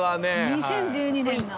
２０１２年の。